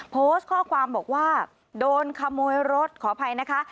โพสต์ข้อความบอกว่าโดนขโมยรถขออภัยนะคะ